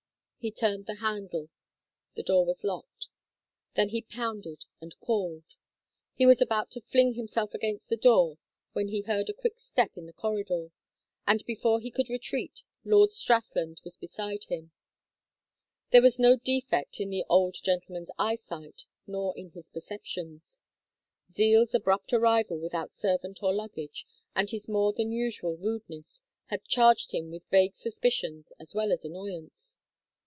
He turned the handle. The door was locked. Then he pounded and called. He was about to fling himself against the door when he heard a quick step in the corridor, and before he could retreat Lord Strathland was beside him. There was no defect in the old gentleman's eyesight nor in his perceptions. Zeal's abrupt arrival without servant or luggage, and his more than usual rudeness, had charged him with vague suspicions as well as annoyance.